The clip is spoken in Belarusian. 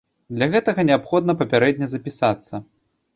Для гэтага неабходна папярэдне запісацца.